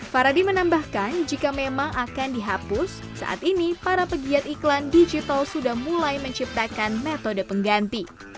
faradi menambahkan jika memang akan dihapus saat ini para pegiat iklan digital sudah mulai menciptakan metode pengganti